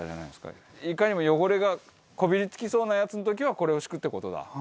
いかにも汚れがこびりつきそうなやつの時はこれを敷くって事だ。